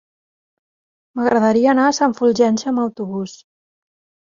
M'agradaria anar a Sant Fulgenci amb autobús.